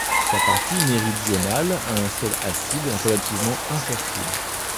Sa partie méridionale a un sol acide relativement infertile.